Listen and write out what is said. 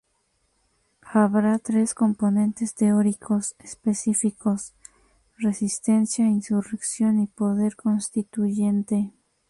Habrá tres componentes teóricos específicos; "resistencia", "insurrección" y "poder constituyente.